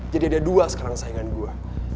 jadi ada dua sekarang saingan gue